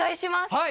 はい！